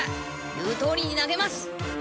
言うとおりに投げます！